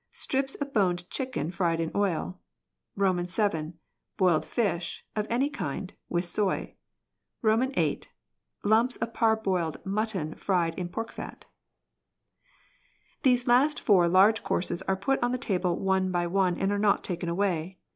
Strips of boned chicken fried in oil. VII. Boiled fish (of any kind) with soy. VIII. Lumps of parboiled mutton fried in pork fat. These last four large courses are put on the table one by one and are not taken away.